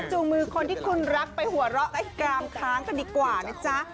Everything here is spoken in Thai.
จูงมือคนที่คุณรักไปหัวเราะไอ้กรามค้างกันดีกว่านะจ๊ะ